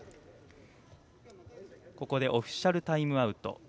ここでオフィシャルタイムアウト。